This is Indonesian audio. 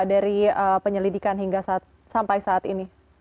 dari penyelidikan hingga sampai saat ini